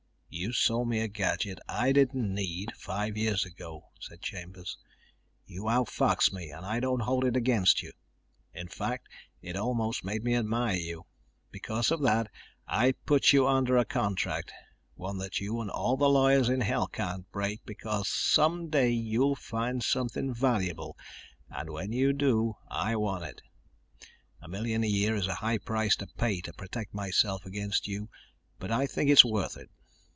"You sold me a gadget I didn't need five years ago," said Chambers. "You outfoxed me and I don't hold it against you. In fact, it almost made me admire you. Because of that I put you under a contract, one that you and all the lawyers in hell can't break, because someday you'll find something valuable, and when you do, I want it. A million a year is a high price to pay to protect myself against you, but I think it's worth it.